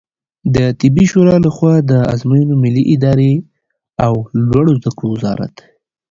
د طبي شورا له خوا د آزموینو ملي ادارې او لوړو زده کړو وزارت